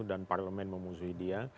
dan parlemen memusuhi dia